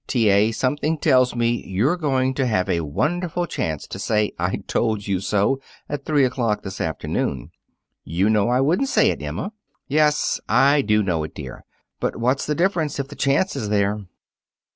"T. A., something tells me you're going to have a wonderful chance to say, 'I told you so!' at three o'clock this afternoon." "You know I wouldn't say it, Emma." "Yes; I do know it, dear. But what's the difference, if the chance is there?"